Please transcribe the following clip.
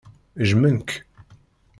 Jjmen-k.